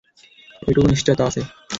এইটুকু নিশ্চয়তা আছে।